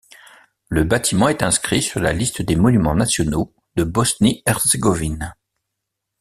Le bâtiment est inscrit sur la liste des monuments nationaux de Bosnie-Herzégovine.